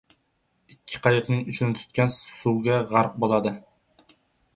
• Ikki qayiqning uchini tutgan suvga g‘arq bo‘ladi.